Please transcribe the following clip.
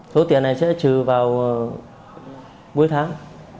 thu tiền này sẽ trừ vào mỗi tháng